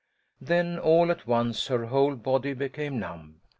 Then, all at once her, whole body became numb.